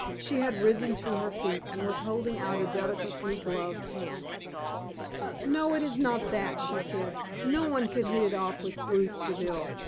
She had risen to her feet, and was holding out a delicately gloved hand. "No, it is not that," she said. "No one could hit it off with Bruce Deville.